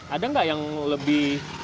ada nggak yang lebih